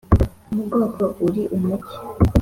mu bwoko uri umuki’